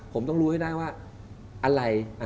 ผมต้องรู้ให้ได้ว่าอะไร